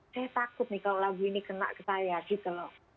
saya takut nih kalau lagu ini kena ke saya gitu loh